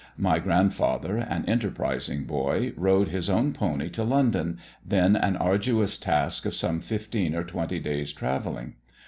My grandfather, an enterprising boy, rode his own pony to London, then an arduous task of some fifteen or twenty days' travelling.